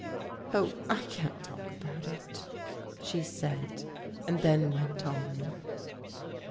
" Oh, I can't talk about it," she said and then went on.